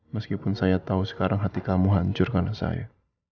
meskipun saya tahu sekarang hati kamu hancur karena saya